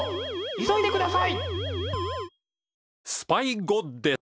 急いでください！